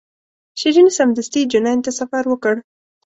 شیرین سمدستي جنین ته سفر وکړ.